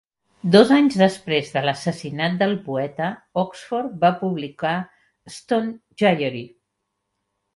Dos anys després de l'assassinat del poeta, Oxford va publicar "A Stone Diary".